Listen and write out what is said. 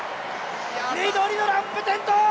緑のランプ転倒。